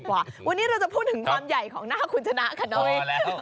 วันนี้เราจะพูดถึงความใหญ่ของหน้าคุณชนะกันหน่อย